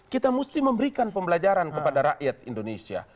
kita mesti memberikan pembelajaran kepada rakyat indonesia